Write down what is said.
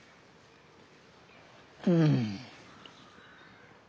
うん。